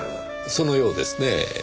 そのようですねぇ。